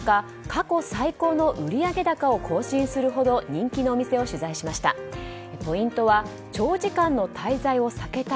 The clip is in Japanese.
過去最高の売上高を更新するほど人気のお店を取材しました。